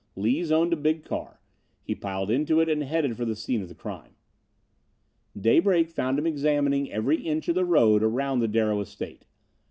Lees owned a big car; he piled into it and started for the scene of the crime. Daybreak found him examining every inch of the road around the Darrow estate.